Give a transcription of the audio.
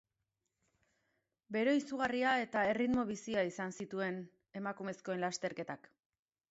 Bero izugarria eta erritmo bizia izan zituen emakumezkoen lasterketak.